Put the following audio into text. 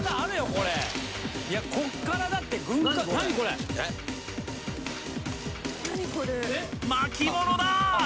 これこっからだって軍艦巻物だ！